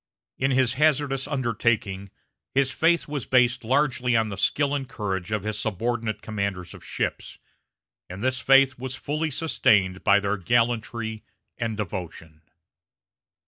In his hazardous undertaking his faith was based largely on the skill and courage of his subordinate commanders of ships, and this faith was fully sustained by their gallantry and devotion.